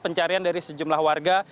pencarian dari sejumlah warga